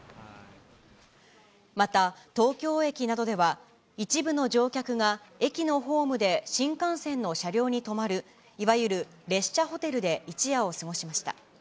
また東京駅などでは、一部の乗客が駅のホームで新幹線の車両に泊まる、いわゆる列車ホテルで一夜を過ごしました。